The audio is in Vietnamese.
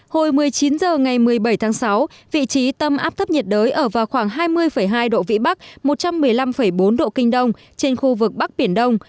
hồi một mươi chín h ngày một mươi bảy tháng sáu vị trí tâm áp thấp nhiệt đới ở vào khoảng hai mươi hai độ vĩ bắc một trăm một mươi năm bốn độ kinh đông trên khu vực bắc biển đông